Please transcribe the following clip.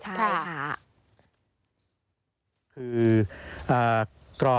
ใช่ค่ะ